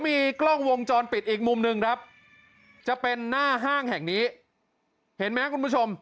อีกมุมนึงครับจะเป็นหน้าห้างแห่งนี้เห็นมั้ยครับคุณผู้ชม